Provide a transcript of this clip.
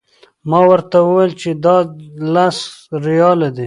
ما ورته وویل چې دا لس ریاله دي.